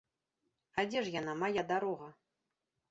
А дзе ж яна, мая дарога?